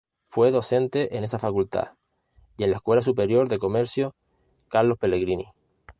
Fue docente en esa Facultad y en la Escuela Superior de Comercio Carlos Pellegrini.